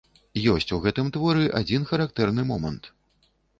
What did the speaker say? Ёсць у гэтым творы адзін характэрны момант.